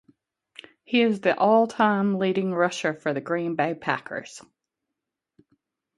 He is the all-time leading rusher for the Green Bay Packers.